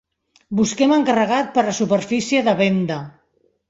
Busquem encarregat per a superfície de venda.